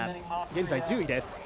現在１０位です。